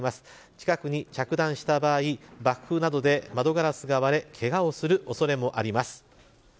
近くに着弾した場合爆風などで窓ガラスが割れけがをする恐れもあります。